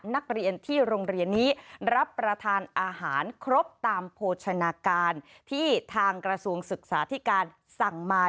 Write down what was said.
นักเรียนที่โรงเรียนนี้รับประทานอาหารครบตามโภชนาการที่ทางกระทรวงศึกษาธิการสั่งมา